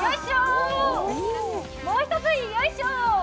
もう一つ、よいしょ。